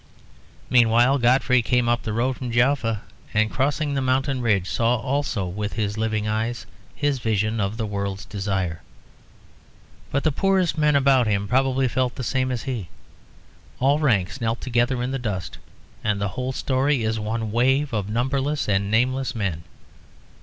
Meanwhile Godfrey came up the road from Jaffa, and crossing the mountain ridge, saw also with his living eyes his vision of the world's desire. But the poorest men about him probably felt the same as he; all ranks knelt together in the dust, and the whole story is one wave of numberless and nameless men.